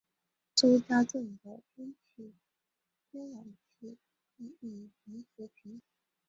周家镇的天然气供应同时停止。